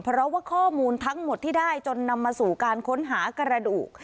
เพราะว่าข้อมูลทั้งหมดที่ได้จนนำมาสู่การค้นหากระดูก